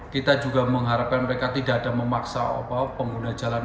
kita juga mengharapkan mereka tidak ada memaksa pengguna jalan